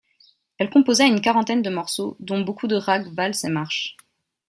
Elle composa une quarantaine de morceaux, dont beaucoup de rags, valses et marches.